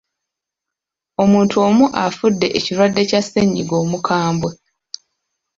Omuntu omu afudde ekirwadde kya ssenyiga omukambwe.